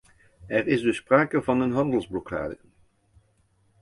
Er is dus sprake van een handelsblokkade.